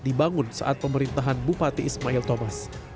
dibangun saat pemerintahan bupati ismail thomas